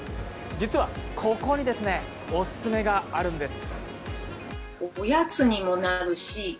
実はここにオススメがあるんです。